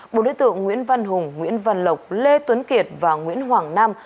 bộ đối tượng nguyễn văn hùng nguyễn văn lộc lê tuấn kiệt và nguyễn hoàng nam